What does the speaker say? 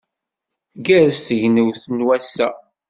Tgerrez tegnewt n wass-a.